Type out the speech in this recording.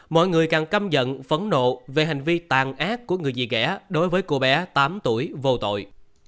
mọi người càng căm giận phấn nộ về hành vi tàn ác của người dì ghẻ đối với cô bé tám tuổi vô tội